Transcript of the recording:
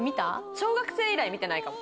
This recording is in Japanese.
小学生以来見てないかも。